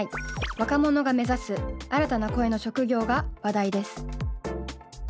若者が目指す新たな声の職業が話題です。